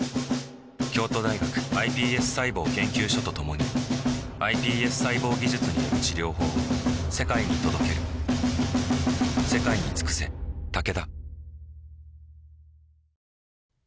京都大学ｉＰＳ細胞研究所と共にｉＰＳ細胞技術による治療法を世界に届ける車洗ってて？